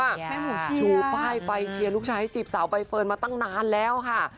แม่หมูชูป้ายไปเชียร์ลูกชายให้จีบสาวใบเฟิร์นมาตั้งนานแล้วค่ะ